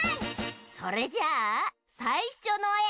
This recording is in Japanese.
それじゃあさいしょのえ！